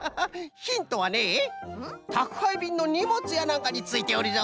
ヒントはねたくはいびんのにもつやなんかについておるぞ！